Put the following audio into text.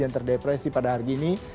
yang terdepresi pada hari ini